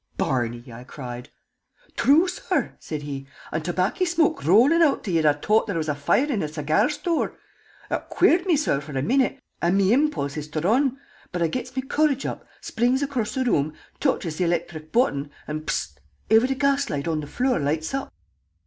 "Barney!" I cried. "Thrue, sorr," said he. "And tobacky shmoke rollin' out till you'd 'a' t'ought there was a foire in a segyar store! Ut queered me, sorr, for a minute, and me impulse is to run; but I gets me courage up, springs across the room, touches the electhric button, an' bzt! every gas jet on the flure loights up!"